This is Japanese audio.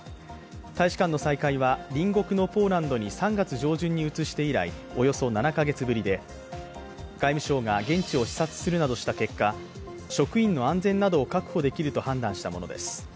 大使館の再開は、隣国のポーランドに３月に移して以来、およそ７か月ぶりで、外務省が現地を視察するなどした結果職員の安全などを確保できると判断したものです。